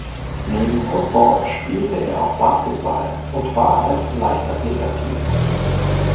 Neben Football spielte er auch Basketball und war als Leichtathlet aktiv.